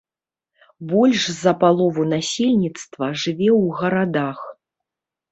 Больш за палову насельніцтва жыве ў гарадах.